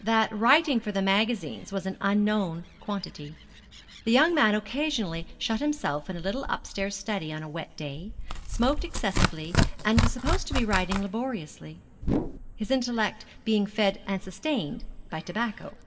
That writing for the magazines was an unknown quantity. The young man occasionally shut himself in a little upstairs study on a wet day, smoked excessively, and was supposed to be writing laboriously, his intellect being fed and sustained by tobacco.